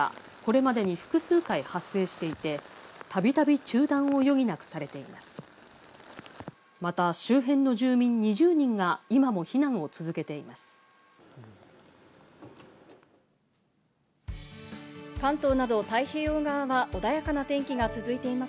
また周辺の住民２０人が今も避難を続けています。